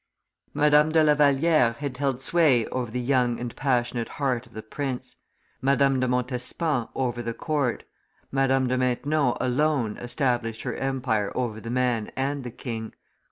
Madame do La Valliere had held sway over the young and passionate heart of the prince, Madame de Montespan over the court, Madame de Maintenon alone established her empire over the man and the king.